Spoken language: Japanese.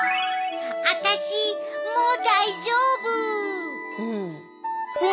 あたしもう大丈夫！